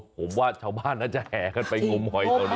ผมว่าชาวบ้านน่าจะแห่กันไปงมหอยแถวนี้